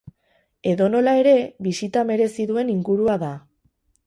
Edonola ere, bisita merezi duen ingurua da.